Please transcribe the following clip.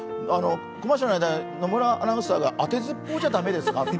コマーシャルの間、野村アナウンサーが当てずっぽうじゃ駄目ですか？